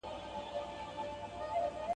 • گامېښه د گل په بوی څه پوهېږي.